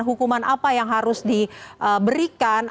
hukuman apa yang harus diberikan